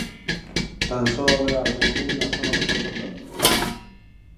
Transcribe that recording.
Tan só haberá algunha nube na zona de costa atlántica.